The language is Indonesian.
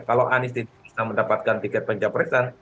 kalau anies tidak bisa mendapatkan tiket pencapresan